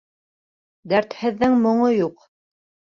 Дәртһеҙҙең моңо юҡ.